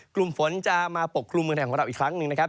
กลุ่มฝนจะมาปกครุมเมืองไทยของเราอีกครั้งหนึ่งนะครับ